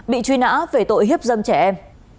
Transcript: bị truy nã về tội hiếp dâm trẻ em